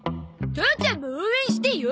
父ちゃんも応援してよ！